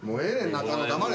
中野黙れ。